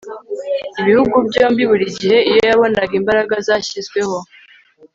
ibihugu byombi, buri gihe iyo yabonaga imbaraga zashyizweho